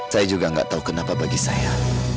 saya juga nggak tahu kenapa bagi saya